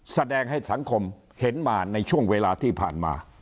แสดงให้สังคมเห็นมาในช่วงเวลาที่ผ่านมา